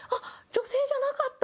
女性じゃなかったんだ！